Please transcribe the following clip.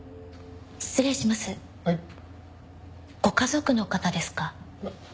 ご家族の方ですか？